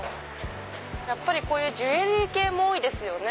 やっぱりこういうジュエリー系も多いですよね。